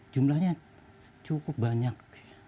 jumlahnya cukup banyak